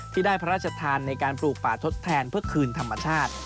ที่ได้พระราชทานในการปลูกป่าทดแทนเพื่อคืนธรรมชาติ